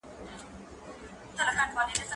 هغه څوک چي موسيقي اوري آرام وي،